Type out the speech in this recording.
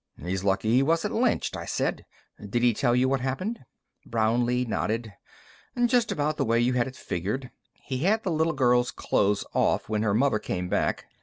"He's lucky he wasn't lynched," I said. "Did he tell you what happened?" Brownlee nodded. "Just about the way you had it figured. He had the little girl's clothes off when her mother came back.